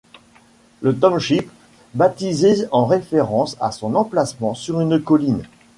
Le township baptisé en référence à son emplacement sur une colline.